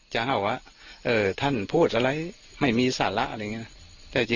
จะหาว่าเออท่านพูดอะไรไม่มีศาละอะไรอย่างเงี้ย